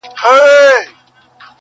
هري درې مياشتي ميدان كي غونډېدله.!